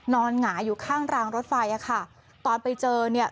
หงายอยู่ข้างรางรถไฟอ่ะค่ะตอนไปเจอเนี่ย